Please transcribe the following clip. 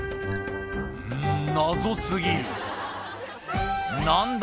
うん謎過ぎる何だ？